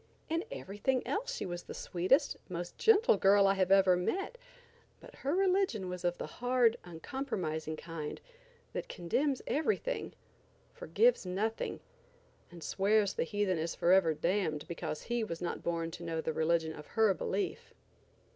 In everything else she was the sweetest, most gentle girl I ever met, but her religion was of the hard, uncompromising kind, that condemns everything, forgives nothing, and swears the heathen is forever damned because he was not born to know the religion of her belief.